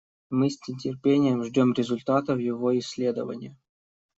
Мы с нетерпением ждем результатов его исследования.